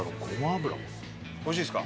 美味しいですか？